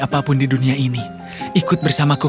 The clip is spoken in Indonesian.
apapun di dunia ini ikut bersamaku